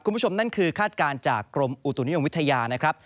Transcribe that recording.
คุณผู้ชมนั่นคือคาดการณ์จากกรมอุตุนิยมวิทยานะครับ